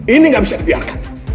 ini gak bisa dibiarkan